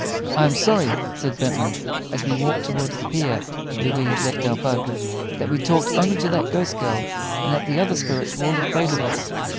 "I am sorry," said Bentley, as we walked toward the pier where we had left our boat, "that we talked only to that ghost girl, and that the other spirits were all afraid of us.